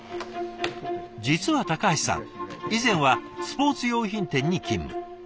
実は橋さん以前はスポーツ用品店に勤務。